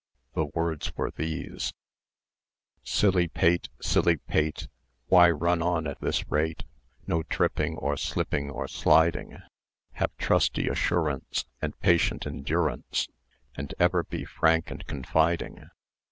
The words were these:— Silly pate, silly pate, Why run on at this rate? No tripping, or slipping, or sliding! Have trusty assurance, And patient endurance And ever be frank and confiding.